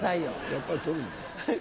やっぱり取るんだ。